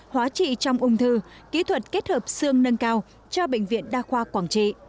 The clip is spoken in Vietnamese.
hóa trị trong ung thư kỹ thuật kết hợp xương nâng cao cho bệnh viện đa khoa quảng trị